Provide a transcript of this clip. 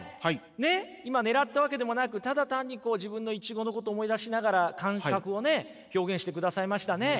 ねっ今ねらったわけでもなくただ単に自分のイチゴのことを思い出しながら感覚をね表現してくださいましたね。